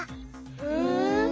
ふん。